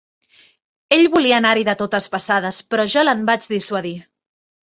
Ell volia anar-hi de totes passades, però jo l'en vaig dissuadir.